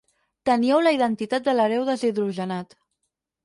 Teníeu la identitat de l'hereu deshidrogenat.